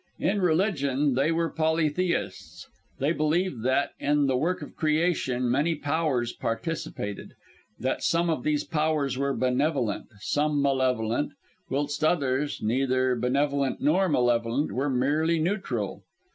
In religion they were polytheists; they believed that, in the work of Creation, many Powers participated; that some of these Powers were benevolent, some malevolent, whilst others neither benevolent nor malevolent were merely neutral.